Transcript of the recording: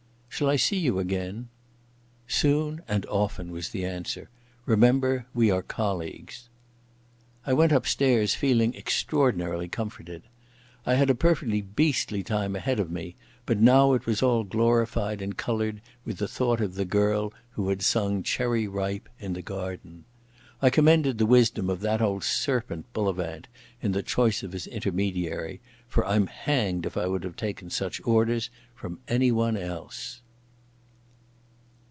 "Shall I see you again?" "Soon, and often," was the answer. "Remember we are colleagues." I went upstairs feeling extraordinarily comforted. I had a perfectly beastly time ahead of me, but now it was all glorified and coloured with the thought of the girl who had sung "Cherry Ripe" in the garden. I commended the wisdom of that old serpent Bullivant in the choice of his intermediary, for I'm hanged if I would have taken such orders from anyone else.